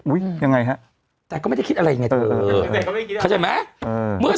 อุ้ยยังไงแต่ก็ไม่ได้คิดอย่างไรเข้าใจไม่ได้ขึ้น